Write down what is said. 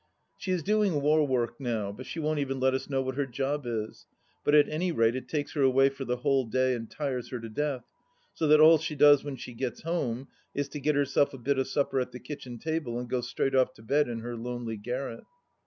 She is doing war work now, but she won't even let us know what her job is ; but at any rate it takes her away for the whole day and tires her to death, so that all she does when she gets home is to get herself a bit of supper at the kitchen table and go straight off to bed in her lonely garret.